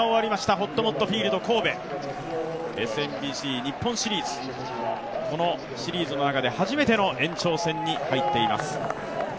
ほっともっとフィールド神戸、ＳＭＢＣ日本シリーズこのシリーズの中で初めての延長戦に入っています。